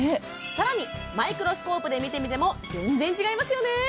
更にマイクロスコープで見てみても全然違いますよね